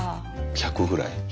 １００ぐらい？